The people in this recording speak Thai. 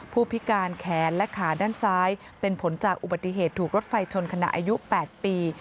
ผู้พิการแขนและขาด้านซ้ายเป็นผลจากอุบัติเหตุถูกรถไฟชนขณะอายุ๘ปี